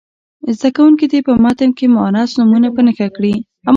زده کوونکي دې په متن کې مونث نومونه په نښه کړي.